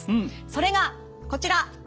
それがこちら！